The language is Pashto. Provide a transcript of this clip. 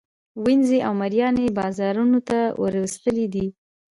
وینزې او مرییان یې بازارانو ته وروستلي دي.